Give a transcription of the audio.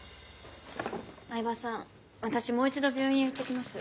饗庭さん私もう一度病院へ行ってきます。